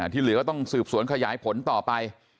ที่เหลือก็ต้องสืบสวนขยายผลต่อไป